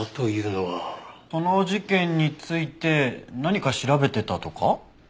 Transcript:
その事件について何か調べてたとか？